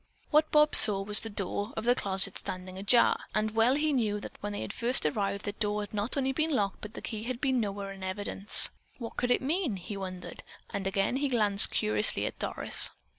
What Bob saw was the door of the closet standing ajar, and well he knew that when they had first arrived, the door had not only been locked but the key had been nowhere in evidence. What could it mean? he wondered, and again he glanced curiously at Doris.